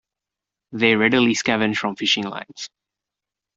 They readily scavenge from fishing lines.